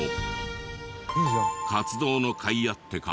活動のかいあってか